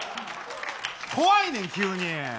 怖いねん、急に。